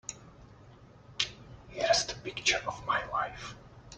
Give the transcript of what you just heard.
Here's the picture of my wife.